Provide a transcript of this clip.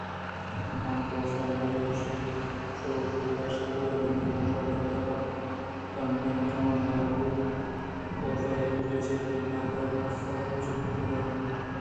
آواں کاف ءِ حبر اے گوش ءَ گوش داشت ءُدومی گوشءَ چہ درکُت اَنتءُ دیمءَ روان گار بوت اَنت ءُکاف ایوک ءَ چہ وتی پاداں برف ءِ چکگ ءُدور کنگ ءَ دزگلائش بوت